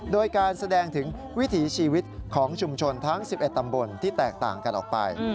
โดยการแสดงถึงวิถีชีวิตของชุมชนทั้ง๑๑ตำบลที่แตกต่างกันออกไป